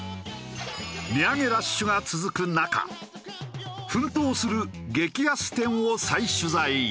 値上げラッシュが続く中奮闘する激安店を再取材。